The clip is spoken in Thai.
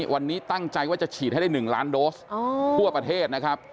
วันนี้ตั้งใจว่าจะฉีดให้ได้๑ล้านโดสทั่วประเทศนะครับ